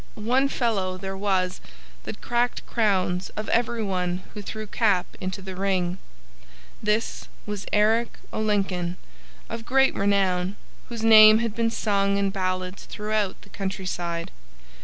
One fellow there was that cracked crowns of everyone who threw cap into the ring. This was Eric o' Lincoln, of great renown, whose name had been sung in ballads throughout the countryside.